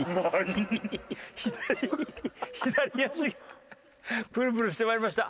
左足プルプルしてまいりました。